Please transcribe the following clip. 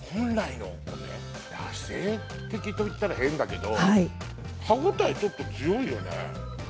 野生的といったら変だけど、歯応えちょっと強いよね？